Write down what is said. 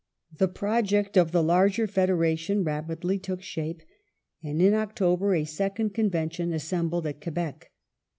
The project of the larger federation rapidly took shape, and in October a second Convention assembled at Quebec.